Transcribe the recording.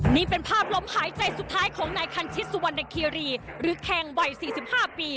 นี่เป็นภาพลมหายใจสุดท้ายของนายคันชิตสุวรรณคีรีหรือแคนวัย๔๕ปี